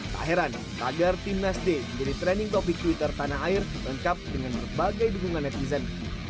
tak heran tagar timnas d menjadi trending topik twitter tanah air di lengkap dengan berbagai dukungan netizen